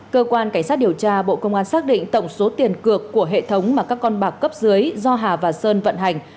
cơ quan cảnh sát điều tra bộ công an xác định tổng số tiền cược của hệ thống mà các con bạc cấp dưới do hà và sơn vận hành